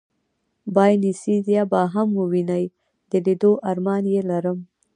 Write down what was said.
باینیسیزا به هم ووینې، د لېدو ارمان یې لرم.